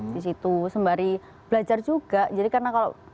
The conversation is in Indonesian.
di situ sembari belajar juga